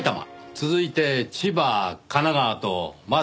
続いて千葉神奈川とまず３件。